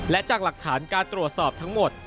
และจากหลักฐานการตรวจสอบทั้งหมด